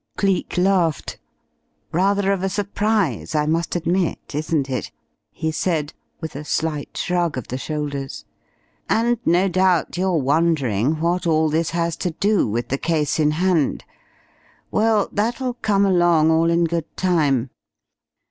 Cleek laughed. "Rather of a surprise, I must admit; isn't it?" he said, with a slight shrug of the shoulders. "And no doubt you're wondering what all this has to do with the case in hand. Well, that'll come along all in good time.